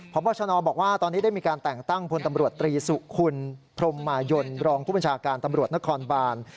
พบชนบอกว่าตอนนี้ได้มีการแต่งตั้งพลตำรวจตรีสุคุณพรมมายนรองผู้บัญชาการตำรวจนครบาน